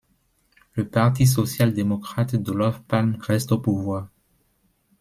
Le Parti social-démocrate d'Olof Palme reste au pouvoir.